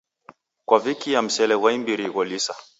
Kwavikia msele ghwa imbiri gholisa.